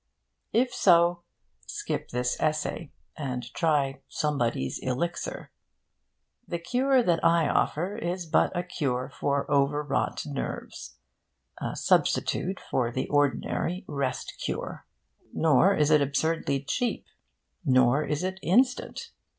If so, skip this essay, and try Somebody's Elixir. The cure that I offer is but a cure for overwrought nerves a substitute for the ordinary 'rest cure.' Nor is it absurdly cheap. Nor is it instant.